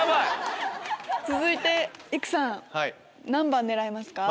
続いて育さん何番狙いますか？